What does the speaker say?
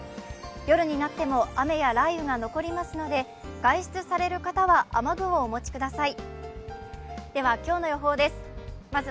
夜になっても雨や雷雨が残りますので外出される方は雨具をお持ちください。